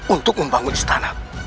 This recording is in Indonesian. untuk membangun istana